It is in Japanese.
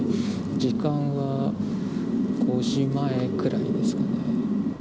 時間は５時前くらいですかね。